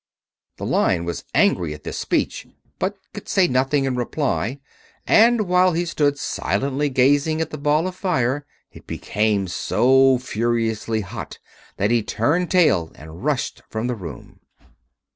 The Lion was angry at this speech, but could say nothing in reply, and while he stood silently gazing at the Ball of Fire it became so furiously hot that he turned tail and rushed from the room.